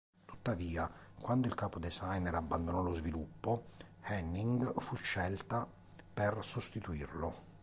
Tuttavia, quando il capo-designer abbandonò lo sviluppo, Hennig fu scelta per sostituirlo.